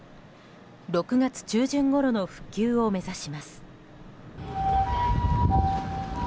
６月中旬ごろの復旧を目指します。